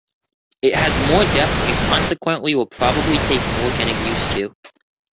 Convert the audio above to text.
It has more depth and consequently will probably take more getting used to.